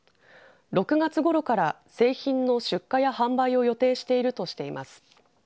６月ごろから製品の出荷や販売を予定しているとしています。